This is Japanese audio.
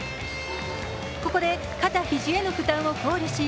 ここで肩肘への負担を考慮し